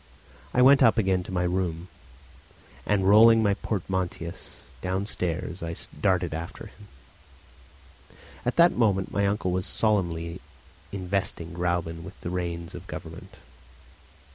I went up again to my room, and rolling my portmanteaus downstairs I darted after him. At that moment my uncle was solemnly investing Gräuben with the reins of government.